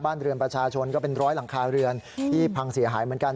เรือนประชาชนก็เป็นร้อยหลังคาเรือนที่พังเสียหายเหมือนกัน